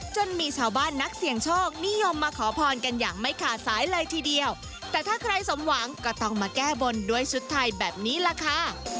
จนมีชาวบ้านนักเสี่ยงโชคนิยมมาขอพรกันอย่างไม่ขาดสายเลยทีเดียวแต่ถ้าใครสมหวังก็ต้องมาแก้บนด้วยชุดไทยแบบนี้ล่ะค่ะ